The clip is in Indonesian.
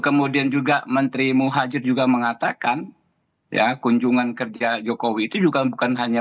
kemudian juga menteri muhajir juga mengatakan ya kunjungan kerja jokowi itu juga bukan hanya